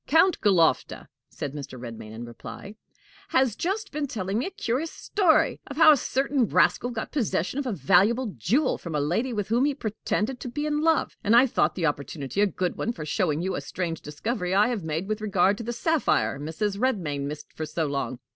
"Count Galofta," said Mr. Redmain in reply, "has just been telling me a curious story of how a certain rascal got possession of a valuable jewel from a lady with whom he pretended to be in love, and I thought the opportunity a good one for showing you a strange discovery I have made with regard to the sapphire Mrs. Redmain missed for so long.